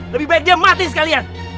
sebaiknya dia mati sekalian